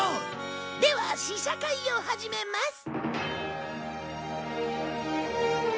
では試写会を始めます！